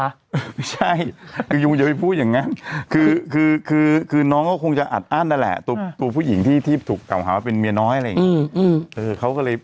ไม่ใช่คือยุงอย่าไปพูดอย่างนั้นคือคือน้องก็คงจะอัดอั้นนั่นแหละตัวผู้หญิงที่ถูกเก่าหาว่าเป็นเมียน้อยอะไรอย่างนี้